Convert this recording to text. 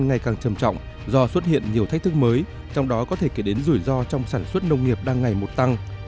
ngày càng trầm trọng do xuất hiện nhiều thách thức mới trong đó có thể kể đến rủi ro trong sản xuất nông nghiệp đang ngày một tăng